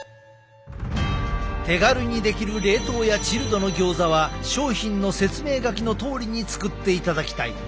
手軽にできる冷凍やチルドのギョーザは商品の説明書きのとおりに作っていただきたい。